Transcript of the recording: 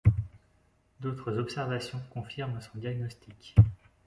D'autres observations confirment son diagnostic.